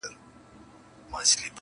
نه بيزو وه نه وياله وه نه گودر وو!.